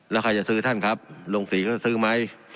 แล้วใครจะซื้อท่านครับลงสีเขาจะซื้อไหม